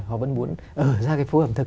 họ vẫn muốn ở ra cái phố ẩm thực